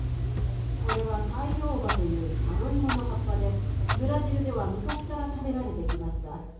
これはタイオーバというタロイモの葉っぱでブラジルでは昔から食べられてきました。